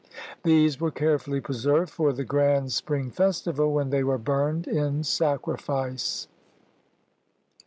These were carefully preserved for the grand spring festival, when they were burned in sacri fice.